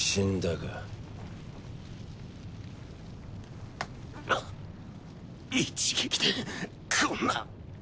ぐっ一撃でこんな。